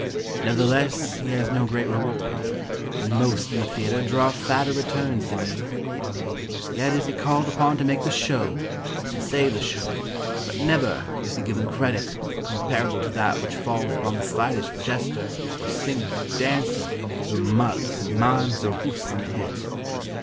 Nevertheless he has no great reward, And most in the theatre Draw fatter returns than he. Yet is he called upon to make the show, To save the show, But never is he given credit Comparable to that which falls Upon the slightest jester or singer or dancer Who mugs, mimes, or hoofs in a hit.